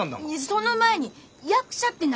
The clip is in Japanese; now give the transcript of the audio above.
その前に役者って何！？